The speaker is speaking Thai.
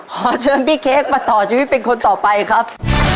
ขอเชิญพี่เค้กมาต่อชีวิตเป็นคนต่อไปครับ